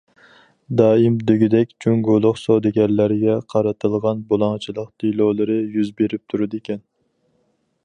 دائىم دېگۈدەك جۇڭگولۇق سودىگەرلەرگە قارىتىلغان بۇلاڭچىلىق دېلولىرى يۈز بېرىپ تۇرىدىكەن.